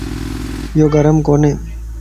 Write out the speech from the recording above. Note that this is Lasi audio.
يو گھر مَ ڪوني